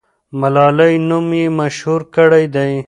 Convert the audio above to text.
ملالۍ نوم یې مشهور کړی دی.